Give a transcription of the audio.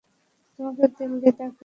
তোমাকে দিল্লি দেখাতে চাই।